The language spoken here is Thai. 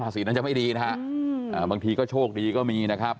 สีนั้นจะไม่ดีนะฮะบางทีก็โชคดีก็มีนะครับ